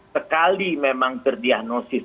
sekali memang terdiagnosis